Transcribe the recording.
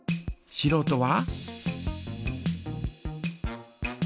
しろうとは？